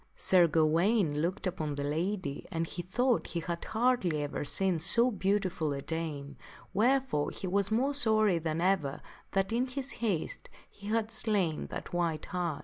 And Sir Gawaine looked upon the lady and he thought he had hardly ever seen so beautiful a dame, wherefore he was more sorry than ever that, in his haste, he had slain that white hart.